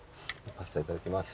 パスタいただきます。